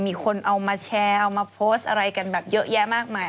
มีคนเอามาแชร์เอามาโพสต์อะไรกันแบบเยอะแยะมากมาย